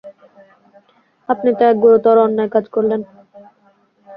আপনি তো এক গুরুতর অন্যায় কাজ করলেন।